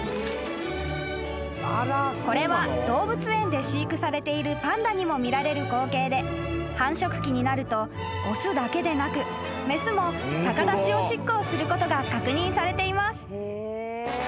［これは動物園で飼育されているパンダにも見られる光景で繁殖期になると雄だけでなく雌も逆立ちおしっこをすることが確認されています］